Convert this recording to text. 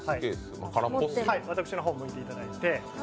私の方を向いていただいて。